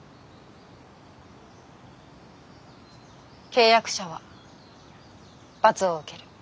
契約者は罰を受ける。